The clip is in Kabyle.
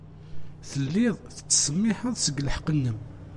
Telliḍ tettsemmiḥeḍ seg lḥeqq-nnem.